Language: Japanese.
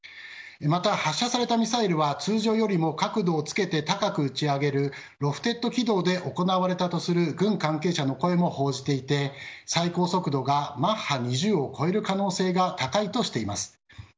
また、発射されたミサイルは通常よりも角度をつけて高く撃ち上げるロフテッド軌道で行われたとする軍関係者の声も報じていて最高速度がマッハ２０を超える可能性が高いとしています。